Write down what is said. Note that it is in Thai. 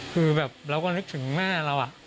คือแบบเราก็นึกถึงแม่เรา